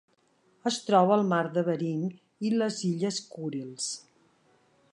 Es troba al mar de Bering i les illes Kurils.